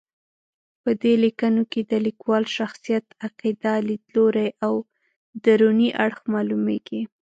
په دې لیکنو کې د لیکوال شخصیت، عقیده، لید لوری او دروني اړخ معلومېږي.